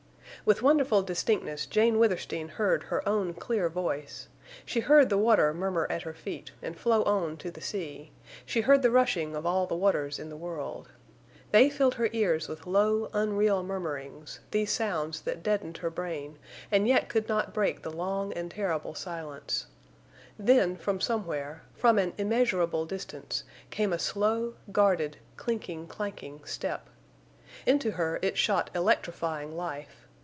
With wonderful distinctness Jane Withersteen heard her own clear voice. She heard the water murmur at her feet and flow on to the sea; she heard the rushing of all the waters in the world. They filled her ears with low, unreal murmurings—these sounds that deadened her brain and yet could not break the long and terrible silence. Then, from somewhere—from an immeasurable distance—came a slow, guarded, clinking, clanking step. Into her it shot electrifying life.